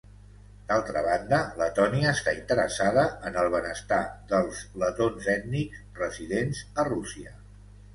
D'altra banda, Letònia està interessada en el benestar dels letons ètnics residents a Rússia.